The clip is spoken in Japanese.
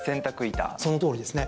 そのとおりですね。